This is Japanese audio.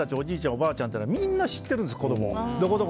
おばあちゃんというのはみんな知っているんです子供を。